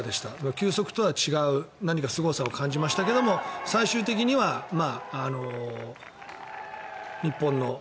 球速とは違う何かすごさを感じましたが最終的には日本の。